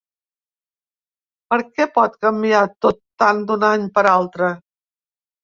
Per què pot canviar tot tant d’un any per l’altre?